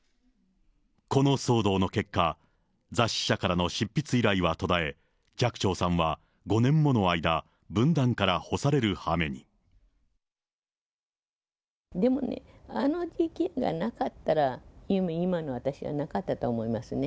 この騒動の結果、雑誌社からの執筆依頼は途絶え、寂聴さんは５年もの間、でもね、あの時期がなかったら、今の私はなかったと思いますね。